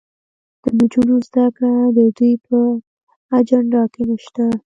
د نجونو زدهکړه د دوی په اجنډا کې نشته.